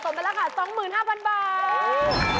เป็นราคาสองหมื่นห้าพันบาท